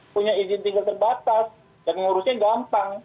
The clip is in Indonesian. punya izin tinggal terbatas dan mengurusnya gampang